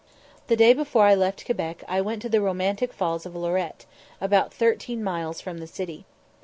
The day before I left Quebec I went to the romantic falls of Lorette, about thirteen miles from the city.